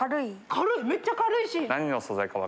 めっちゃ軽いし。